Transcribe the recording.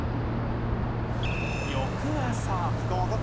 ［翌朝］